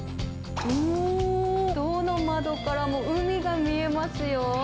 おー、どの窓からも海が見えますよ。